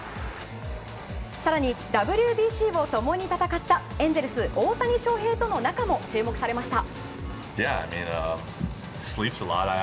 更にＷＢＣを共に戦ったエンゼルス大谷翔平との仲も注目されました。